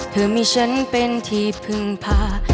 เธอมีฉันเป็นที่พึ่งพา